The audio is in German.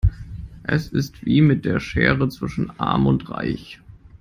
Es ist wie mit der Schere zwischen arm und reich.